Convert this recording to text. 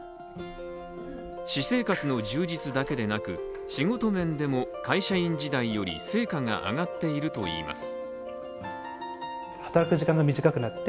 私生活の充実だけでなく、仕事面でも会社員時代より成果が上がっているといいます。